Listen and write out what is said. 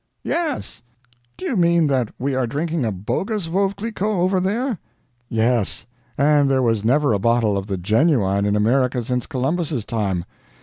"Yes!" "Do you mean that we are drinking a bogus Veuve Cliquot over there?" "Yes and there was never a bottle of the genuine in America since Columbus's time.